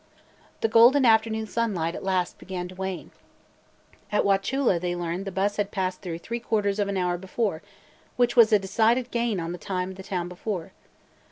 The golden afternoon sunlight at last began to wane. At Wauchula they learned that the bus had passed through three quarters of an hour before, which was a decided gain on the time at the town before.